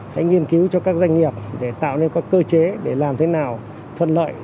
hãy nghiên cứu cho các doanh nghiệp để tạo nên các cơ chế để làm thế nào thuận lợi